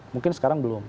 mungkin sekarang belum